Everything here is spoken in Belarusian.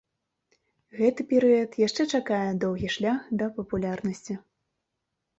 Гэты перыяд яшчэ чакае доўгі шлях да папулярнасці.